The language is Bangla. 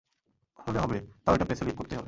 হলে হবে, তাও এটা প্রেসে লিক করতেই হবে।